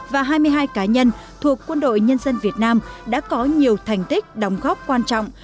và hai mươi hai cá nhân thuộc quân đội nhân dân việt nam đã có nhiều thành tích đóng góp quan trọng